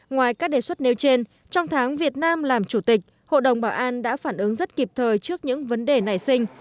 ngoài các đề xuất nêu trên trong tháng việt nam làm chủ tịch hội đồng bảo an đã phản ứng rất kịp thời trước những vấn đề nảy sinh